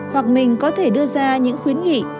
hoặc mình có thể đưa ra những khuyến nghị